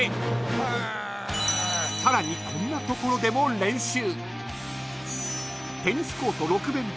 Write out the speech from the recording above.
［さらにこんな所でも練習］